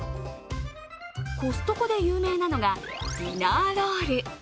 コストコで有名なのが、ディナーロール。